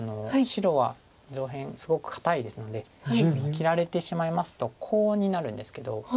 白は上辺すごく堅いですので切られてしまいますとコウになるんですけど。